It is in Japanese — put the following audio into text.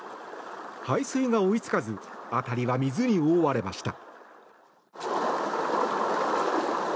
排水が追いつかず辺りは水に覆われました。